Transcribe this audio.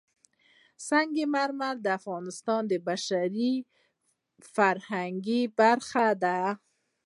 سنگ مرمر د افغانستان د بشري فرهنګ برخه ده.